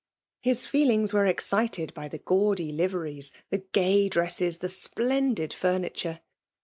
His feelings wore eiccited^bj fini ^Attdy liveries, the gay dresses, the splendid ^ fMditure.